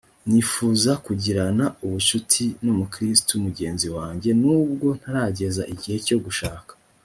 nifuza kugirana ubucuti n umukristo mugenzi wanjye nubwo ntarageza igihe cyo gushaka